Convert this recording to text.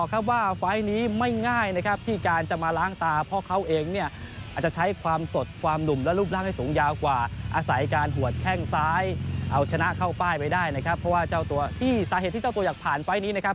เข้าป้ายไปได้นะครับเพราะว่าเจ้าตัวที่สาเหตุที่เจ้าตัวอยากผ่านไฟล์ทนี้นะครับ